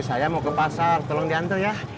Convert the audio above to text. saya mau ke pasar tolong diantar ya